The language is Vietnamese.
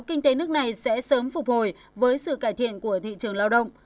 kinh tế nước này sẽ sớm phục hồi với sự cải thiện của thị trường lao động